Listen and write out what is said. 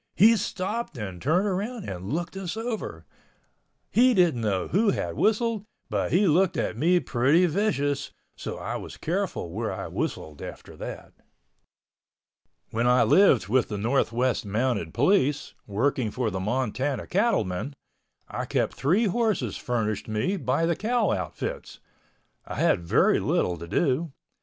He stopped and turned around and looked us over. He didn't know who had whistled, but he looked at me pretty vicious, so I was careful where I whistled after that. When I lived with the Northwest Mounted Police, working for the Montana cattlemen, I kept three horses furnished me by the cow outfits. I had very little to do.